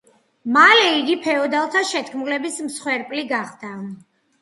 მალე იგი ფეოდალთა შეთქმულების მსხვერპლი გახდა.